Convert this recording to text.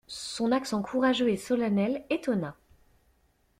Son accent courageux et solennel étonna.